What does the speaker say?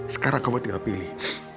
sekarang kamu tinggal pilih